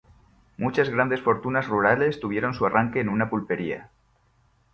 Muchas grandes fortunas rurales tuvieron su arranque en una pulpería.